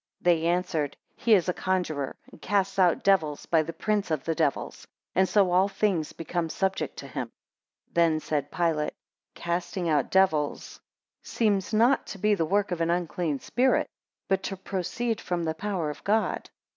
They answered He is a conjurer, and casts out devils by the prince of the devils; and so all things, become subject to him. 6 Then said Pilate, Casting out devils seems not to be the work of an unclean spirit, but to proceed from the power of God.